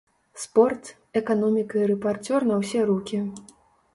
Спорт, эканоміка і рэпарцёр на ўсе рукі.